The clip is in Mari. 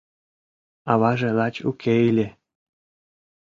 Аваже лач уке ыле.